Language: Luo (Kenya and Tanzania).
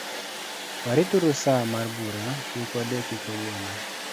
Warituru sa mar bura, kik wadeki kawuono.